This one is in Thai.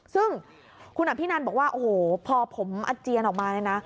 ซึ่งคุณอภินันบอกว่าโอ้โหพอผมอาเจียนออกมาเนี่ยนะ